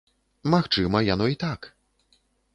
Магчыма, яно і так.